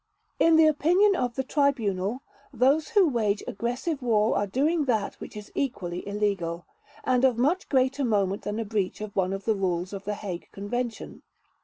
In the opinion of the Tribunal, those who wage aggressive war are doing that which is equally illegal, and of much greater moment than a breach of one of the rules of the Hague Convention.